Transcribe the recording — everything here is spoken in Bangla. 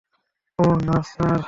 অহ, না, স্যার।